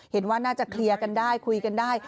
เห็นว่าน่าจะเคลียร์กันได้คุยกันได้